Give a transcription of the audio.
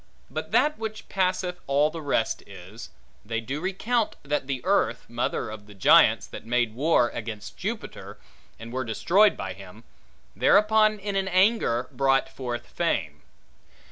But that which passeth all the rest is: They do recount that the Earth, mother of the giants that made war against Jupiter, and were by him destroyed, thereupon in an anger brought forth Fame.